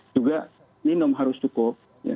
juga minum harus cukup